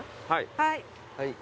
はい。